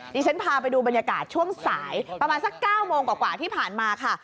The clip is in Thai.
ดิฉันพาไปดูบรรยากาศช่วงสายประมาณสัก๙โมงกว่าที่ผ่านมาค่ะ